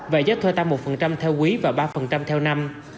và giá thuê tăng một phần trăm theo quý và ba phần trăm theo năm